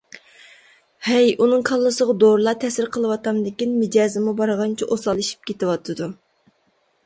ھەي، ئۇنىڭ كاللىسىغا «دورىلار» تەسىر قىلىۋاتامدىكىن، مىجەزىمۇ بارغانچە ئوساللىشىپ كېتىۋاتىدۇ.